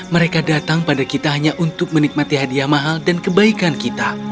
mereka datang pada kita hanya untuk menikmati hadiah mahal dan kebaikan kita